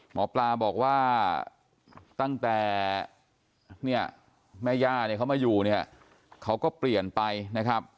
หมอปลาบอกว่าตั้งแต่เนี่ยแม่ย่าเนี่ยเขามาอยู่เนี่ยเขาก็เปลี่ยนไปนะครับ